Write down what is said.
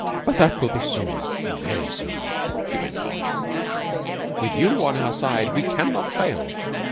But that will be soon, very soon," she went on. "With you on our side we can not fail."